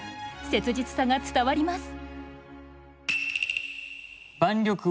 切実さが伝わります。